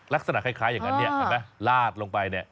ลักษณะคล้ายอย่างนั้นเนี่ยเห็นไหมลาดลงไปเนี่ย